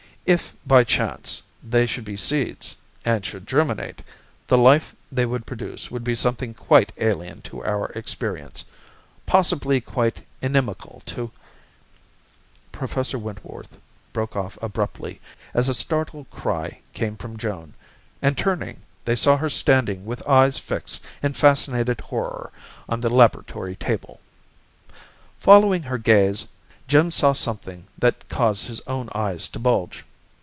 If by chance they should be seeds, and should germinate, the life they would produce would be something quite alien to our experience, possibly quite inimical to " Professor Wentworth broke off abruptly as a startled cry came from Joan, and, turning, they saw her standing with eyes fixed in fascinated horror on the laboratory table. Following her gaze, Jim saw something that caused his own eyes to bulge.